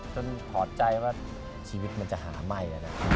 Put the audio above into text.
จนถอดใจว่าชีวิตจะหาไหม